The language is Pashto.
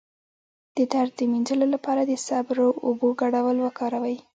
د درد د مینځلو لپاره د صبر او اوبو ګډول وکاروئ